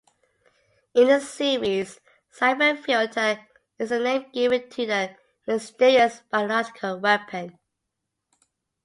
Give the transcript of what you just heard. In the series, "Syphon Filter" is the name given to the mysterious biological weapon.